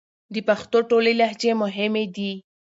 د پښتو ټولې لهجې مهمې دي